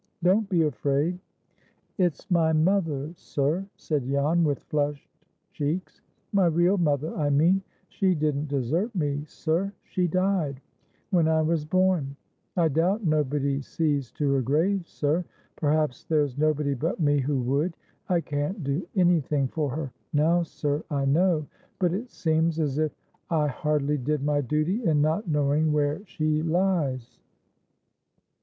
Don't be afraid." "It's my mother, sir," said Jan, with flushed cheeks. "My real mother, I mean. She didn't desert me, sir; she died—when I was born. I doubt nobody sees to her grave, sir. Perhaps there's nobody but me who would. I can't do any thing for her now, sir, I know; but it seems as if I hardly did my duty in not knowing where she lies."